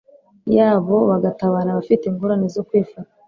yabo bagatabara abafite ingorane zo kwifata